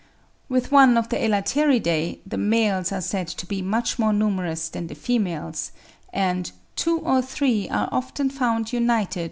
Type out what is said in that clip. With one of the Elateridae, the males are said to be much more numerous than the females, and "two or three are often found united with one female (84.